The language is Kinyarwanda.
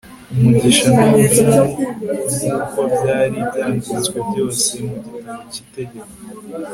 umugisha n'umuvumo, nk'uko byari byanditswe byose mu gitabo cy'itegeko